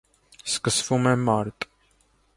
Սկսվում է մարտ։